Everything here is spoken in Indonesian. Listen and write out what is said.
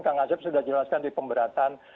kang asep sudah jelaskan di pemberatan